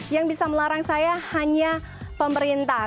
yang bisa melarang saya hanya pemerintah